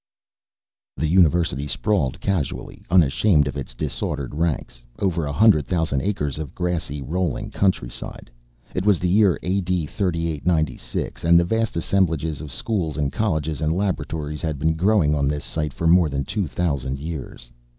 The University sprawled casually, unashamed of its disordered ranks, over a hundred thousand acres of grassy, rolling countryside. It was the year A.D. 3896, and the vast assemblage of schools and colleges and laboratories had been growing on this site for more than two thousand years.